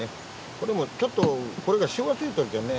これもちょっとこれが塩がついてるけんね